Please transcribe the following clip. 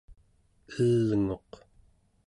elnguq